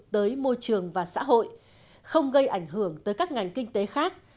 tới môi trường và xã hội không gây ảnh hưởng tới các ngành kinh tế khác